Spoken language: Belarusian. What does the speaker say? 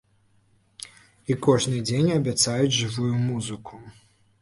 І кожны дзень абяцаюць жывую музыку.